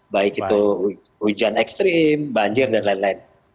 baik itu hujan ekstrim banjir dan lain lain